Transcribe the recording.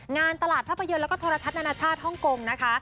งานตลาดภาพยนตร์และทศนาชาติฮ่องกงนะคะ